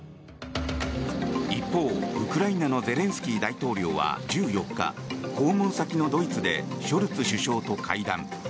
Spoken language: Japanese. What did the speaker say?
一方、ウクライナのゼレンスキー大統領は１４日訪問先のドイツでショルツ首相と会談。